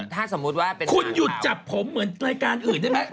ถ้าสมมุติว่าคุณหยุดจับผมเหมือนรายการอื่นได้ไหม